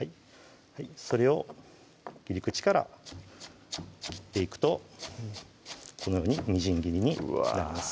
それを切り口から切っていくとこのようにみじん切りになります